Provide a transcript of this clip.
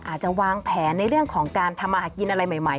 อาจจะวางแผนในเรื่องของการทำอาหารกินอะไรใหม่